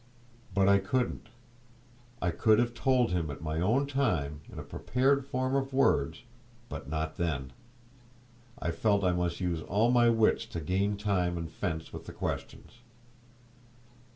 But I couldn't. I could have told him at my own time, in a prepared form of words—but not then. I felt I must use all my wits to gain time, and fence with the questions.